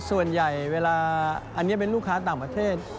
ส่วนใหญ่เวลาอันนี้เป็นลูกค้าต่างประเทศ